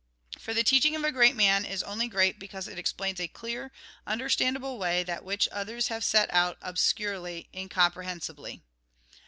For the teaching of a great man is only great because it explains in a clear, under standable way that which others have set out obscurely, incomprehensibly.